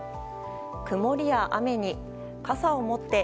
曇りや雨に、傘を持って。